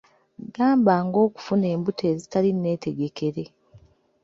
Gamba ng'okufuna embuto ezitali nneetegekere.